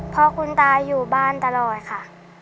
เพราะคุณตาอยู่บ้านตลอดค่ะ